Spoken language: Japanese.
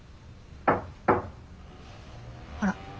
あら？